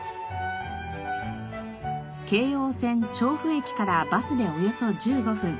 京王線調布駅からバスでおよそ１５分。